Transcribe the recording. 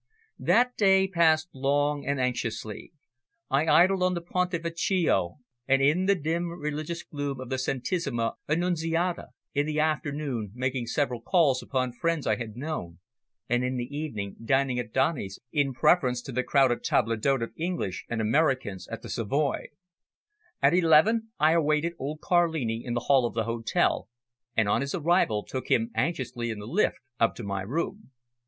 That day passed long and anxiously. I idled on the Ponte Vecchio and in the dim religious gloom of the Santissima Anunziata, in the afternoon making several calls upon friends I had known, and in the evening dining at Doney's in preference to the crowded table d'hote of English and Americans at the Savoy. At eleven I awaited old Carlini in the hall of the hotel, and on his arrival took him anxiously in the lift up to my room.